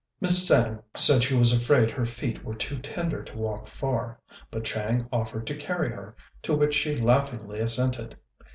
Miss Tsêng said she was afraid her feet were too tender to walk far; but Chang offered to carry her, to which she laughingly assented.